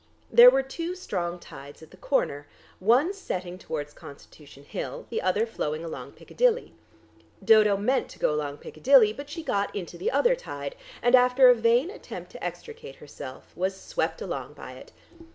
There were two strong tides at the corner, one setting towards Constitution Hill, the other flowing along Piccadilly. Dodo meant to go along Piccadilly, but she got into the other tide, and after a vain attempt to extricate herself, was swept along by it.